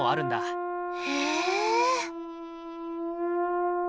へえ。